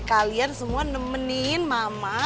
kalian semua nemenin mama